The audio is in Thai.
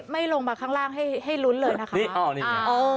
ลงมาข้างล่างให้ลุ้นเลยนะคะ